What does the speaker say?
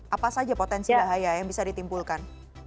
apa saja potensi bahaya yang bisa ditimpulkan